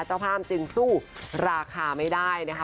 จะห้ามจิลสู้ราคาไม่ได้นะคะ